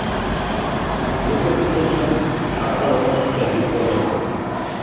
“Рукописешем шагал огыл шинчавӱд кодын.